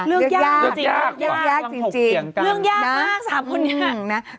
เรื่องยากเรื่องยากจริงจริงเรื่องยากมากสามคนนี้